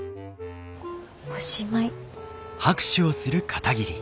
おしまい。